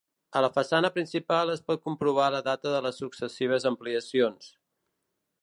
A la façana principal es pot comprovar la data de les successives ampliacions.